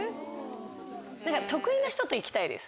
得意な人と行きたいです。